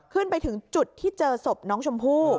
ไปถึงจุดที่เจอศพน้องชมพู่